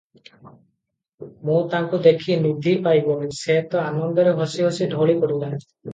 ମୁଁ ତାକୁ ଦେଖି ନିଧି ପାଇଗଲି, ସେ ତ ଆନନ୍ଦରେ ହସି ହସି ଢଳି ପଡ଼ିଲା ।